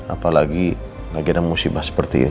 apalagi lagi ada musibah seperti ini